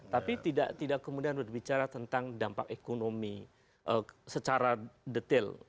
tapi tidak kemudian berbicara tentang dampak ekonomi secara detail